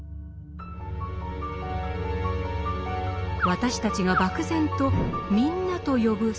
私たちが漠然と「みんな」と呼ぶ世人。